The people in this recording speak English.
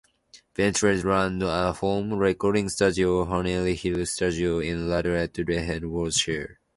Bennett runs a home recording studio, Honeyhill studios, in Radlett, Hertfordshire.